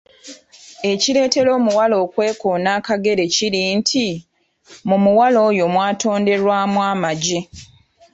Ekireetera omuwala okwekoona akagere kiri nti, mu muwala oyo mwatonderwamu amagi